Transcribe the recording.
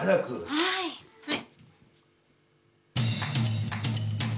はいはい。